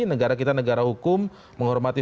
negara kita negara hukum menghormati